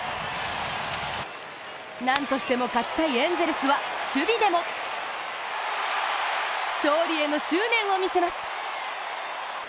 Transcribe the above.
何としても勝ちたいエンゼルスは守備でも勝利への執念を見せます。